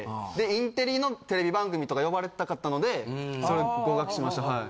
インテリのテレビ番組とか呼ばれたかったのでそれで合格しましたはい。